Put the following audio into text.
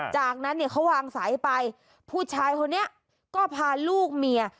จากนั้นเนี่ยเขาวางสายไปผู้ชายคนนี้ก็พาลูกเมีย